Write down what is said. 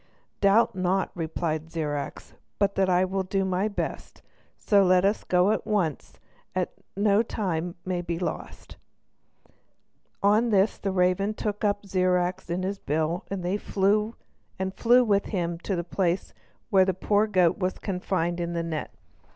"Doubt not," replied Zirac, "but that I will do my best, so let us go at once that no time may be lost." On this the raven took up Zirac in his bill, and flew with him to the place where the poor goat was confined in the net.